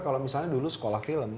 kalau misalnya dulu sekolah film